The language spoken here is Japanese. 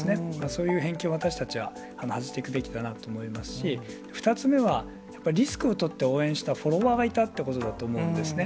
そういう偏見を私たちは外していくべきだなと思いますし、２つ目は、リスクを取って応援したフォロワーがいたってことだと思うんですね。